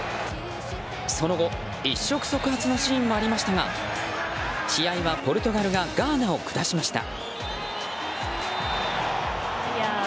その後一触即発のシーンもありましたが試合はポルトガルがガーナを下しました。